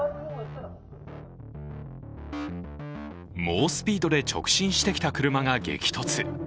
猛スピードで直進してきた車が激突。